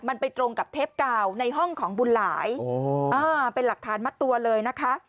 มันไปตรงกับเทปกาวในห้องของบุญหลายเป็นหลักฐานมัดตัวเลยนะคะ